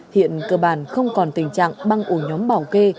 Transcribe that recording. hiện cơ bản không còn tình trạng băng ổ nhóm bảo kê